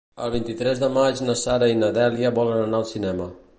El vint-i-tres de maig na Sara i na Dèlia volen anar al cinema.